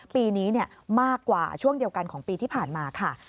ปีนี้มากกว่าช่วงเดียวกันของปีที่ผ่านมาค่ะ